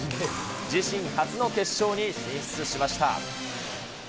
自身初の決勝に進出しました。